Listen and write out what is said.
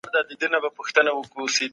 خصوصي سکتور پرمختګ ته اړتيا لري.